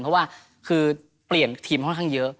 เพราะว่าคือเปลี่ยนทีมค่อนข้างเยอะ